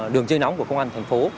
đường dây nóng của công an thành phố